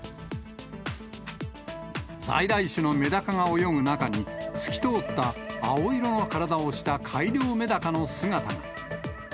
在来種のメダカが泳ぐ中に、透き通った青色の体をした改良メダカの姿が。